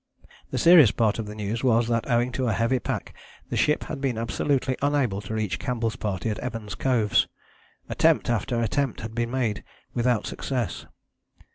The serious part of the news was that owing to a heavy pack the ship had been absolutely unable to reach Campbell's party at Evans Coves. Attempt after attempt had made without success.